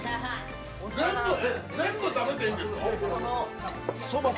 全部食べていんですか。